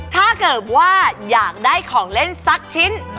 ถ้าเกิดว่าอยากได้ของเล่นสักชิ้น